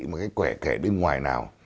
một cái quẻ kẻ bên ngoài nào